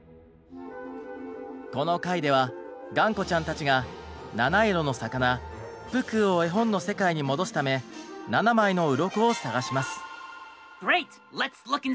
この回ではがんこちゃんたちがなないろのさかなプクーを絵本の世界に戻すため７枚のうろこを探します。